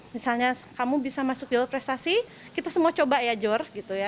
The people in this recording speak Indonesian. misalnya kamu bisa masuk jalur prestasi kita semua coba ya jor gitu ya